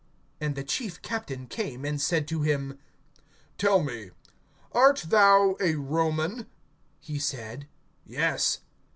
(27)And the chief captain came, and said to him: Tell me, art thou a Roman? He said: Yes.